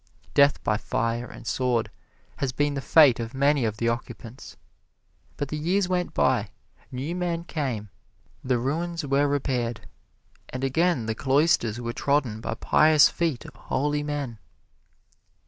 Death by fire and sword has been the fate of many of the occupants. But the years went by, new men came, the ruins were repaired, and again the cloisters were trodden by pious feet of holy men.